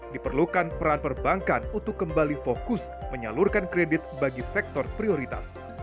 diperlukan peran perbankan untuk kembali fokus menyalurkan kredit bagi sektor prioritas